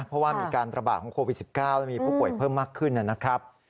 เพราะว่ามีการระบาดของโควิด๑๙แล้วมีผู้ป่วยเพิ่มมากขึ้นนะครับ